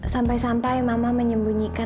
sampai sampai mama menyembunyikan